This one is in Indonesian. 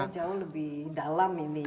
mereka jauh lebih dalam ini ya